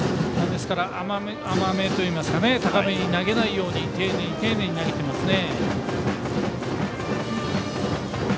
ですから、甘めというか高めに投げないように丁寧に、丁寧に投げてますね。